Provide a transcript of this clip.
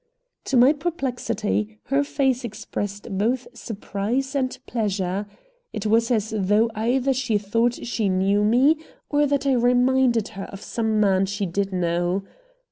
To my perplexity, her face expressed both surprise and pleasure. It was as though either she thought she knew me, or that I reminded her of some man she did know.